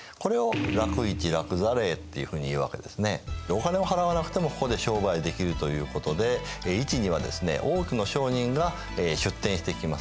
お金を払わなくてもここで商売できるということで市にはですね多くの商人が出店してきます。